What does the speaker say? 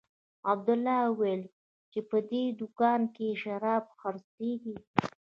عبدالله وويل چې په دې دوکانو کښې شراب خرڅېږي.